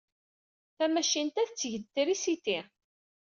Tamacint-a tetteg-d trisiti.